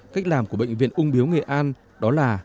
cách làm của bệnh viện ung biếu nghệ an đó là